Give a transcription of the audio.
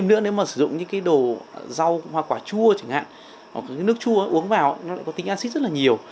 nước chua uống vào có tính axit rất nhiều